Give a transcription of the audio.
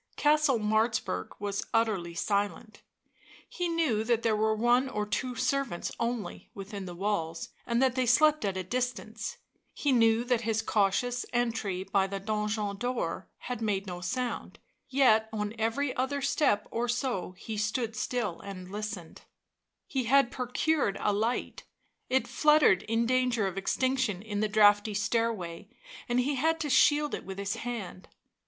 Castle Martzburg was utterly silent ; he knew that there were one or two servants only within the walls, Digitized by UNIVERSITY OF MICHIGAN Original from UNIVERSITY OF MICHIGAN 148 BLACK MAGIC and that they slept at a distance; he knew that his cautious entry by the donjon door had made no sound, yet on every other step or so he stood still and listened. He had procured a light; it fluttered in danger of extinction in the draughty stairway, and he had to shield it with his hand.